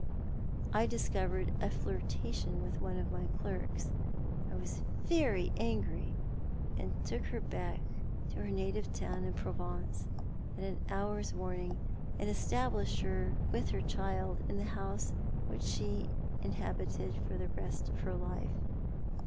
I discovered a flirtation with one of my clerks. I was very angry, and took her back to her native town in Provence, at an hour's warning, and established her with her child in the house which she inhabited for the rest of her life.